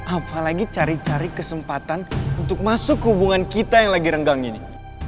apalagi cari cari kesempatan untuk masuk hubungan kita yang lagi renggang ini